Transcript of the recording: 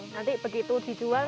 nanti begitu dijual